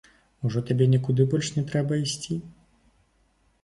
Ужо табе нікуды больш не трэба ісці?